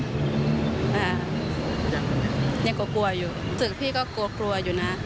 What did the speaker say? อ่ายังกลัวอยู่ศึกพี่ก็กลัวอยู่นะ